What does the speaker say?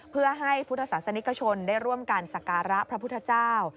เพื่อให้พุทธศาสนิกชนได้ร่วมกันสการะพระพุทธเจ้า